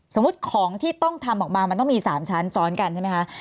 สมมุติของที่ต้องทำออกมามันต้องมี๓ชั้นซ้อนกันใช่ไหมคะ